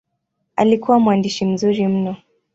Alikuwa mwandishi mzuri mno.